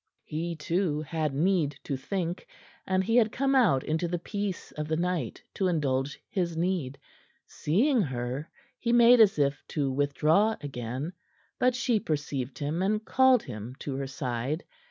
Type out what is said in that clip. He, too, had need to think, and he had come out into the peace of the night to indulge his need. Seeing her, he made as if to withdraw again; but she perceived him, and called him to her side.